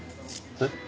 えっ？